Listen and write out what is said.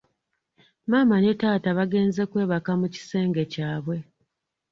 Maama ne taata bagenze kwebaka mukisenge kyabwe.